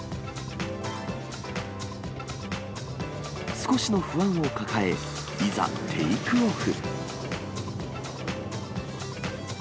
少しの不安を抱え、いざ、テークオフ。